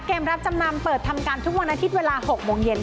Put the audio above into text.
เกมรับจำนำเปิดทำการทุกวันอาทิตย์เวลา๖โมงเย็น